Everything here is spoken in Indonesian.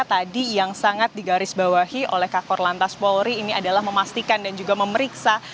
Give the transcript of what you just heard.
tadi yang sangat digarisbawahi oleh kakor lantas polri ini adalah memastikan dan juga memeriksa